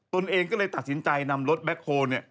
ตนเองก็เลยตัดสินใจนำรถแบ็คโฮล์เนี่ย